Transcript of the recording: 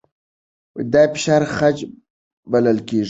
دا فشار خج بلل کېږي.